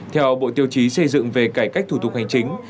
theo bộ tiêu chí xây dựng về cải cách thủ tục hành chính